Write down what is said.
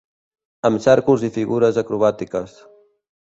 Amb cèrcols i figures acrobàtiques.